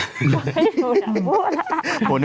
ไม่อยู่ด่าพูดล่ะ